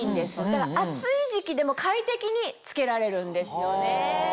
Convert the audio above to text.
だから暑い時期でも快適に着けられるんですよね。